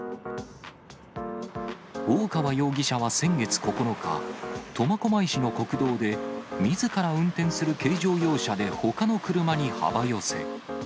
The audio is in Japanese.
大川容疑者は先月９日、苫小牧市の国道で、みずから運転する軽乗用車でほかの車に幅寄せ。